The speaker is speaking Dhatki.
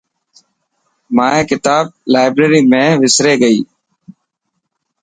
مائي ڪتاب لائبريري ۾ وسري گئي.